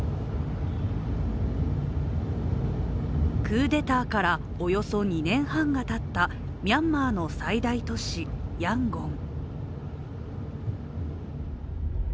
クーデターからおよそ２年半がたったミャンマーの最大都市、ヤンゴン。